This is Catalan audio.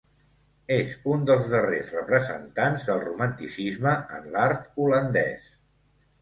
És un dels darrers representants del Romanticisme en l'art holandès.